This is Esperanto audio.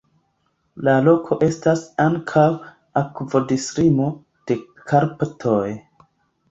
La loko estas ankaŭ akvodislimo de Karpatoj.